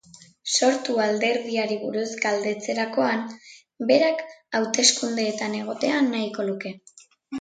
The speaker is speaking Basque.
Sortu alderdiari buruz galdetzerakoan, berak haustekundeetan egotea nahiko luke.